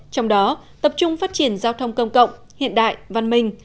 trong đó tập trung phát triển giao thông công cộng hiện đại văn minh